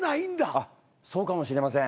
あっそうかもしれません。